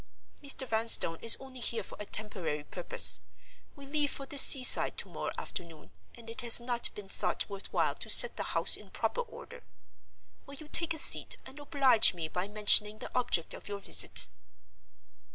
"Mr. Vanstone is only here for a temporary purpose. We leave for the sea side to morrow afternoon, and it has not been thought worth while to set the house in proper order. Will you take a seat, and oblige me by mentioning the object of your visit?"